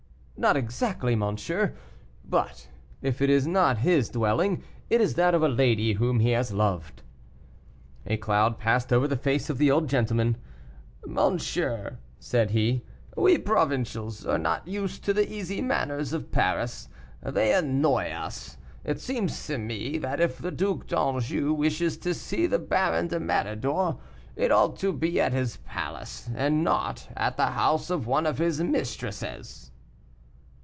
"Not exactly, monsieur, but if it is not his dwelling, it is that of a lady whom he has loved." A cloud passed over the face of the old gentleman. "Monsieur," said he, "we provincials are not used to the easy manners of Paris; they annoy us. It seems to me that if the Duc d'Anjou wishes to see the Baron de Méridor, it ought to be at his palace, and not at the house of one of his mistresses."